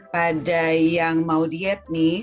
pada yang mau diet nih